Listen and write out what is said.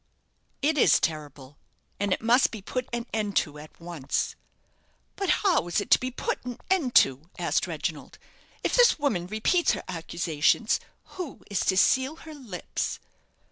"It is terrible, and it must be put an end to at once." "But how is it to be put an end to?" asked Reginald. "If this woman repeats her accusations, who is to seal her lips?"